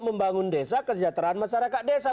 membangun desa kesejahteraan masyarakat desa